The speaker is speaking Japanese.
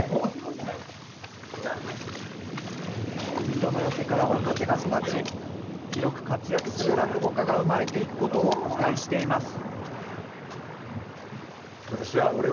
水戸の寄席から若手が育ち、広く活躍する落語家が生まれていくことを期待しています。